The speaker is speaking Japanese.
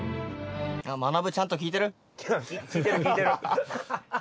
まなぶちゃんと聞いてる？